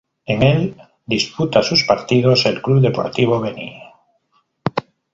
En el disputa sus partidos el Club Deportivo Beniel.